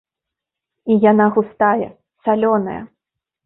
І яна густая, салёная.